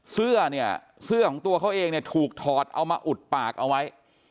เสื้อของตัวเขาเองถูกถอดเอามาอุดปากเอาไว้